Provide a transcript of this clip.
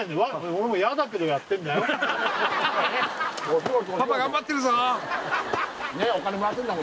俺も嫌だけどやってんだよ